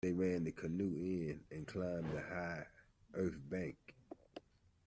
They ran the canoe in and climbed the high earth bank.